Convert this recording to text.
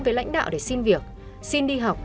với lãnh đạo để xin việc xin đi học